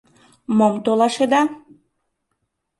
Мом толашеда?